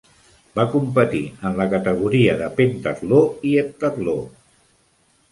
Va competir en la categoria de pentatló i heptatló.